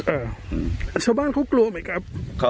ชาวบ้านเขากลัวไหมครับ